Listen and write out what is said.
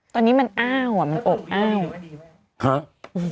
ตอนนี้มันอ้าวอ่ะมันอบอ้าว